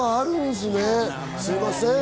すみません。